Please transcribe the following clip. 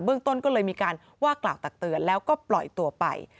ต้นก็เลยมีการว่ากล่าวตักเตือนแล้วก็ปล่อยตัวไป